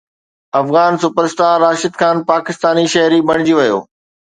Afghan super star Rashid Khan پاڪستاني شهري بڻجي ويو